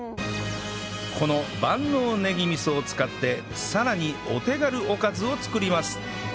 この万能ねぎ味噌を使ってさらにお手軽おかずを作ります